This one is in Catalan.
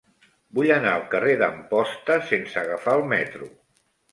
Vull anar al carrer d'Amposta sense agafar el metro.